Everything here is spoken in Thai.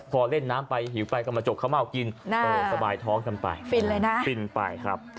พอเล่นน้ำไปหิวไปก็มาจกข้าวเม่ากินสบายท้องกันไปฟินเลยนะฟินไปครับ